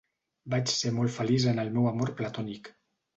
Vaig ser molt feliç en el meu amor platònic.